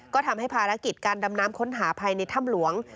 ก็ทำให้ภารกิจการดำน้ำค้นหาภายในถ้ำหลวง